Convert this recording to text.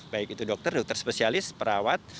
baik itu dokter dokter spesialis perawat